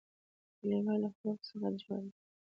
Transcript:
کلیمه له حروفو څخه جوړه ده.